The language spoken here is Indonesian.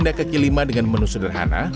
tenda kaki lima dengan menu sederhana